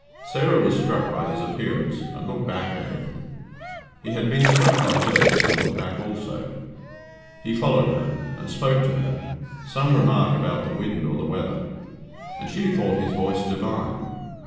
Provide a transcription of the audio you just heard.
Sarah was struck by his appearance, and looked back at him. He had been struck by hers, and looked back also. He followed her, and spoke to her some remark about the wind or the weather and she thought his voice divine.